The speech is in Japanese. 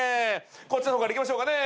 こっちの方からいきましょうかね。